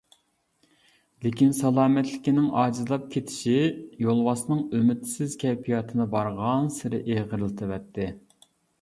لېكىن سالامەتلىكىنىڭ ئاجىزلاپ كېتىشى يولۋاسنىڭ ئۈمىدسىز كەيپىياتىنى بارغانسېرى ئېغىرلىتىۋەتتى.